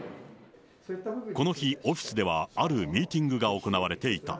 この日、オフィスではあるミーティングが行われていた。